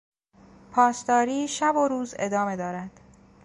پاسداری شب و روز ادامه دارد.